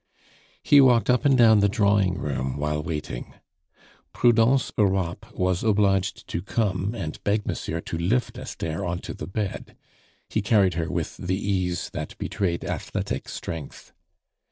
He walked up and down the drawing room while waiting. Prudence Europe was obliged to come and beg monsieur to lift Esther on to the bed; he carried her with the ease that betrayed athletic strength.